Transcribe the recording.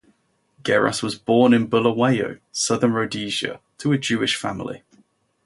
Geras was born in Bulawayo, Southern Rhodesia, to a Jewish family.